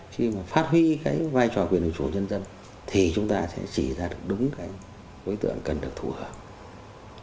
khi mà phát huy cái vai trò quyền hữu chủ dân dân thì chúng ta sẽ chỉ ra được đúng cái đối tượng cần được thù hợp